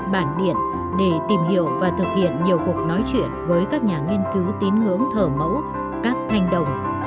bản điện để tìm hiểu và thực hiện nhiều cuộc nói chuyện với các nhà nghiên cứu tín ngưỡng thờ mẫu các thanh đồng